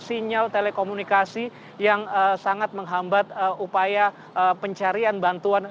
sinyal telekomunikasi yang sangat menghambat upaya pencarian bantuan